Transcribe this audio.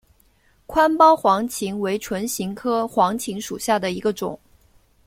宽苞黄芩为唇形科黄芩属下的一个种。